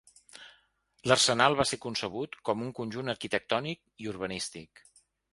L'Arsenal va ser concebut com un conjunt arquitectònic i urbanístic.